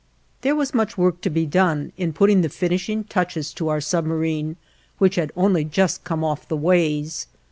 There was much work to be done in putting the finishing touches to our submarine, which had only just come off the ways.